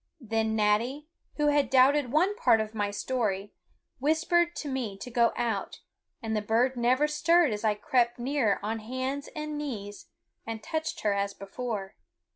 Then Natty, who had doubted one part of my story, whispered to me to go out; and the bird never stirred as I crept near on hands and knees and touched her as before.